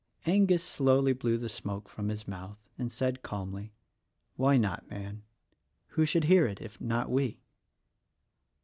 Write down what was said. Angus slowly blew the smoke from his mouth and said calmly, "Why not, man? Who should hear it if not we?"